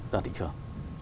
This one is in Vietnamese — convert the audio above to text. cho thị trường